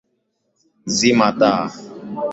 Zima taa.